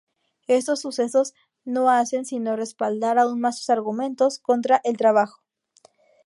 Estos sucesos no hacen sino respaldar aún más sus argumentos contra el trabajo.